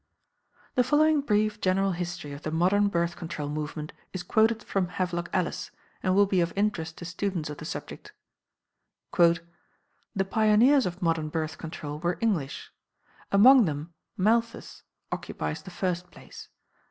'" The following brief general history of the modern Birth Control movement is quoted from Havelock Ellis, and will be of interest to students of the subject: "The pioneers of modern Birth Control were English. Among them Malthus occupies the first place.